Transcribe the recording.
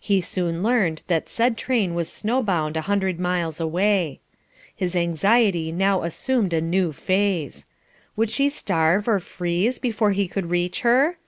He soon learned that said train was snow bound a hundred miles away. His anxiety now assumed a new phase. Would she starve or freeze before he could reach her?